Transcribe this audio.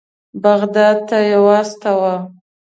بغداد ته یې واستاوه.